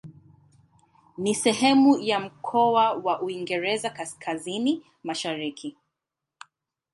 Ni sehemu ya mkoa wa Uingereza Kaskazini-Mashariki.